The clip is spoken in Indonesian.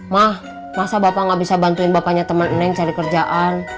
mah masa bapak gak bisa bantuin bapaknya temen neng cari kerjaan